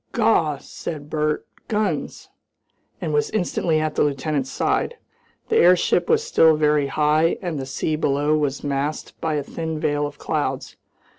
"Gaw!" said Bert "guns!" and was instantly at the lieutenant's side. The airship was still very high and the sea below was masked by a thin veil of clouds.